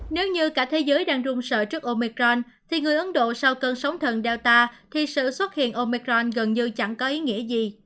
nếu như cả thế giới đang rung sợ trước omicron thì người ấn độ sau cơn sóng thần dowta thì sự xuất hiện omicron gần như chẳng có ý nghĩa gì